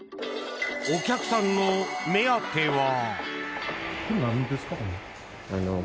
お客さんの目当ては。